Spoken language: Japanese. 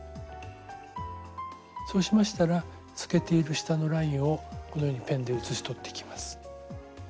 そうしましたら透けている下のラインをこのようにペンで写し取っていきます。